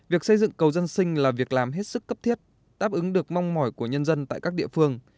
việc xây dựng cầu dân sinh là việc làm hết sức cấp thiết đáp ứng được mong mỏi của nhân dân tại các địa phương